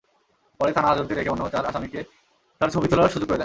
পরে থানাহাজতে রেখে অন্য চার আসামিকে তাঁর ছবি তোলার সুযোগ করে দেন।